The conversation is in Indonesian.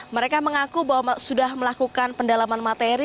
mereka mengaku bahwa sudah melakukan pendalaman materi